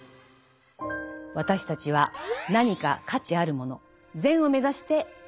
私たちは何か価値あるもの「善」を目指して行動している。